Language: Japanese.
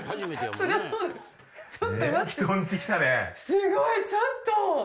すごいちょっと。